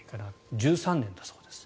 １３年だそうです。